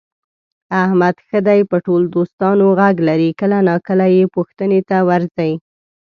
احمد ښه دی په ټول دوستانو غږ لري، کله ناکله یې پوښتنې ته ورځي.